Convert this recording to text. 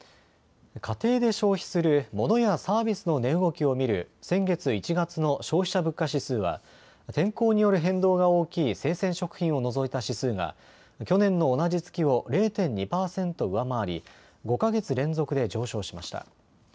家庭で消費するモノやサービスの値動きを見る先月１月の消費者物価指数は天候による変動が大きい生鮮食品を除いた指数が去年の同じ月を０．２％上回り５か月連続で上昇しました。